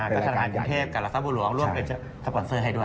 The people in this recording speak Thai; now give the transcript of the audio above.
กระชะนาฮันกรุงเทพกับลักษณ์บุหรวงร่วมกันจะสปอนเซอร์ให้ด้วย